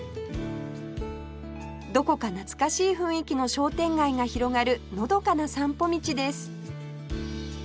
どこか懐かしい雰囲気の商店街が広がるのどかな散歩道です